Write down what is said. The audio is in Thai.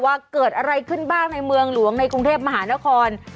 ว่าเกิดอะไรขึ้นบ้างในเมืองหลวงในกรุงเทพมหานคร